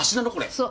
そう。